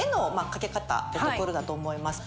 っていうところだと思います。